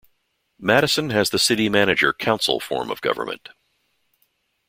Madison has the city manager-council form of government.